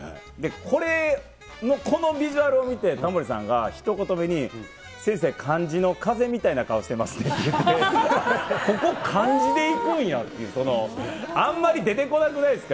これの、このビジュアルを見て、タモリさんが、ひと言目に先生、漢字の風みたいな顔してますねって言って、ここ、漢字でいくんやっていう、その、あんまり出てこなくないですか？